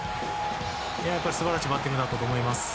素晴らしいバッティングだったと思います。